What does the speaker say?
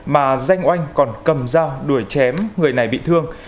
mà danh oanh còn cầm dao đuổi chém người này bị thương